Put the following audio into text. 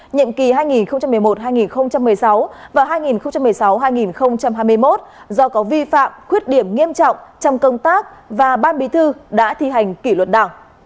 nhiệm kỳ hai nghìn một mươi một hai nghìn một mươi sáu và hai nghìn một mươi sáu hai nghìn hai mươi một do có vi phạm khuyết điểm nghiêm trọng trong công tác và ban bí thư đã thi hành kỷ luật đảng